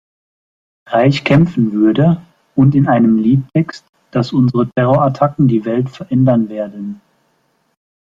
Reich kämpfen“ würde, und in einem Liedtext, dass „unsere Terror-Attacken die Welt verändern werden“.